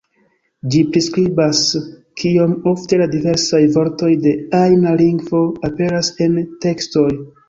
Ĝi priskribas kiom ofte la diversaj vortoj de ajna lingvo aperas en tekstoj.